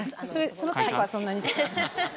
そのタイプはそんなに。